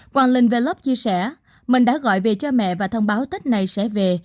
hoàng linh vlog chia sẻ mình đã gọi về cho mẹ và thông báo tết này sẽ về